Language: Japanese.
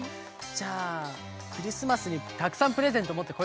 じゃあクリスマスにたくさんプレゼントもってこようかな？